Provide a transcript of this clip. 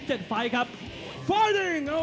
โอ้โหรอพี่ฆาตจากริมฟังโคงครับ